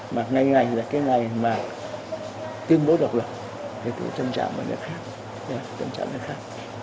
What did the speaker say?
mà ngày ngày là cái ngày mà tuyên bố độc lập thì tôi tâm trạng vào nước khác